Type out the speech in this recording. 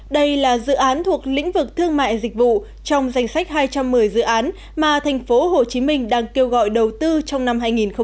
đây là dự án thuộc lĩnh vực thương mại dịch vụ trong danh sách hai trăm một mươi dự án mà tp hcm đang kêu gọi đầu tư trong năm hai nghìn hai mươi